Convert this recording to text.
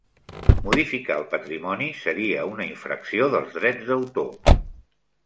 Modificar el patrimoni seria una infracció dels drets d'autor.